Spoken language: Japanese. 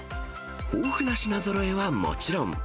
豊富な品ぞろえはもちろん。